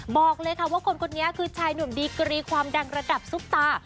บอกเลยค่ะว่าคนคนนี้คือชายหนุ่มดีกรีความดังระดับซุปตา